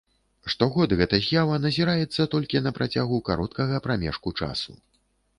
Штогод гэта з'ява назіраецца толькі на працягу кароткага прамежку часу.